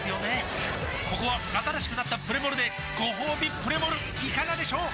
ここは新しくなったプレモルでごほうびプレモルいかがでしょう？